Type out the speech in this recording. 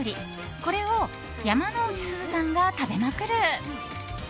これを山之内すずさんが食べまくる。